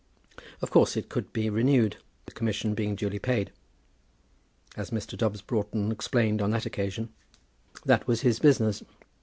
Of course it could be renewed, the commission being duly paid. As Mr. Dobbs Broughton explained on that occasion, that was his business.